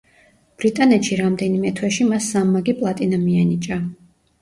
ბრიტანეთში რამდენიმე თვეში მას სამმაგი პლატინა მიენიჭა.